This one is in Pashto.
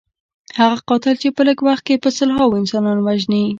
هغه قاتل چې په لږ وخت کې په سلهاوو انسانان وژني.